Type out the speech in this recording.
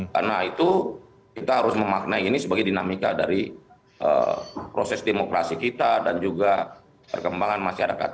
karena itu kita harus memaknai ini sebagai dinamika dari proses demokrasi kita dan juga perkembangan masyarakat